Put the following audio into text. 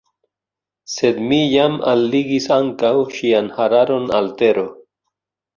Sed mi jam alligis ankaŭ ŝian hararon al tero.